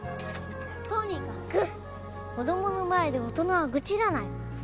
とにかく子供の前で大人は愚痴らない。